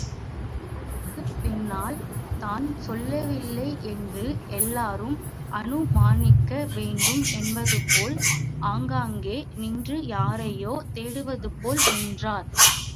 அவளுக்கு பின்னால், தான் செல்லவில்லை என்று எல்லாரும் அனுமானிக்க வேண்டும் என்பதுபோல், ஆங்காங்கே நின்றுயாரையோ தேடுவதுபோல் நின்றார்.